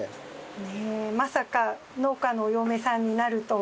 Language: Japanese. ねえまさか農家のお嫁さんになるとは。